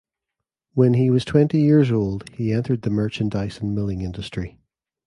When he was twenty years old he entered the merchandise and milling industry.